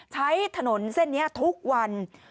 ใช้ถนนเส้นนี้ทุกวัน